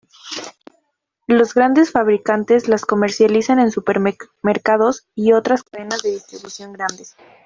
Los grandes fabricantes las comercializan en supermercados y otras cadenas de distribución grandes.